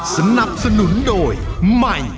สนับสนุนโดยใหม่